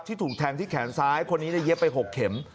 ถูกแทงที่แขนซ้ายคนนี้เย็บไป๖เข็ม